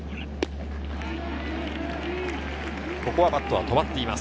バットは止まっています。